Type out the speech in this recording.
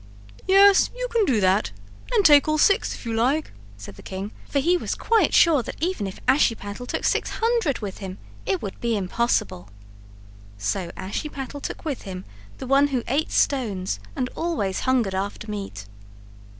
"Yes, you can do that, and take all six if you like," said the king, for he was quite sure that even if Ashiepattle took six hundred with him, it would be impossible. So Ashiepattle took with him the one who ate stones and always hungered after meat.